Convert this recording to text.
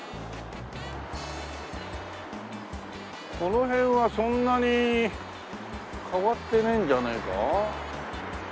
この辺はそんなに変わってねえんじゃねえか？